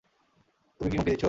তুমি কি হুমকি দিচ্ছো?